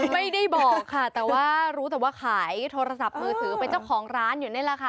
ไม่ได้บอกค่ะแต่ว่ารู้แต่ว่าขายโทรศัพท์มือถือเป็นเจ้าของร้านอยู่นี่แหละค่ะ